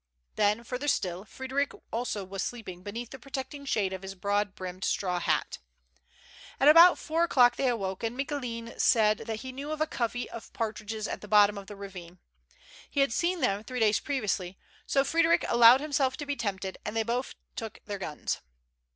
Then, further still, Frederic also was sleeping beneath the protecting shade of his broad brimmed straw hat. At about four o'clock they awoke, and Micoulin said that he knew of a covey of partridges at the bottom of a ravine. He had seen them three days previously, so Frederic allowed himself to be tempted, and they both took their guns.